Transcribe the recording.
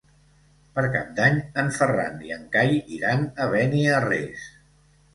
Per Cap d'Any en Ferran i en Cai iran a Beniarrés.